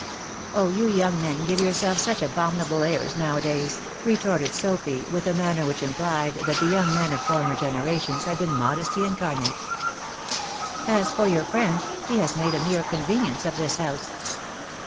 "Oh, you young men give yourselves such abomin able airs now a days," retorted Sophy, with a manner which implied that the young men of former generations had been modesty incarnate. "As for your friend, he has made a mere convenience of this house."